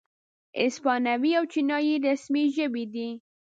اسپانوي او چینایي رسمي ژبې دي.